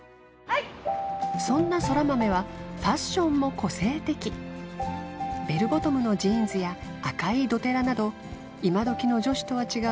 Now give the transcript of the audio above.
そんな空豆はファッションも個性的ベルボトムのジーンズや赤いどてらなど今どきの女子とは違う